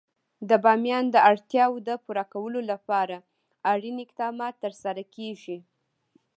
د بامیان د اړتیاوو پوره کولو لپاره اړین اقدامات ترسره کېږي.